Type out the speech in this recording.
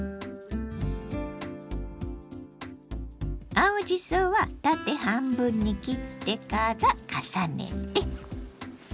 青じそは縦半分に切ってから重ねて。